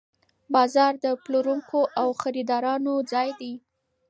بازار د پلورونکو او خریدارانو ځای دی.